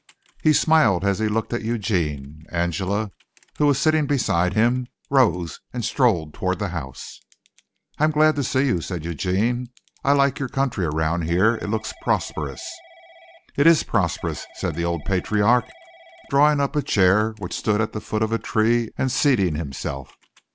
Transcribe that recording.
He smiled as he looked at Eugene. Angela, who was sitting beside him, rose and strolled toward the house. "I'm glad to see you," said Eugene. "I like your country around here. It looks prosperous." "It is prosperous," said the old patriarch, drawing up a chair which stood at the foot of a tree and seating himself.